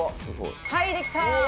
はいできた！